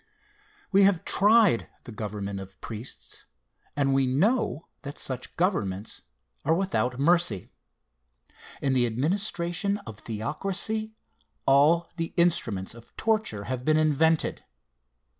We have tried the government of priests, and we know that such governments are without mercy. In the administration of theocracy, all the instruments of torture have been invented.